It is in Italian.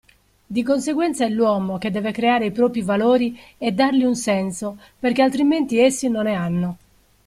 Di conseguenza è l'uomo che deve creare i propri valori e dargli un senso perché altrimenti essi non ne hanno.